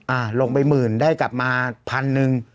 ลงไปหมื่นได้กลับมาพันหนึ่ง